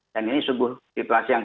dan ini sungguh diplas yang